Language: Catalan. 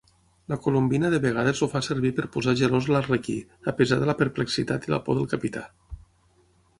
La Colombina de vegades el fa servir per posar gelós l'Arlequí, a pesar de la perplexitat i la por del Capità.